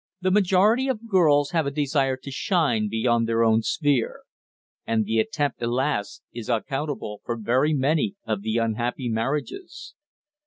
The majority of girls have a desire to shine beyond their own sphere; and the attempt, alas! is accountable for very many of the unhappy marriages.